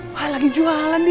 wah lagi jualan dia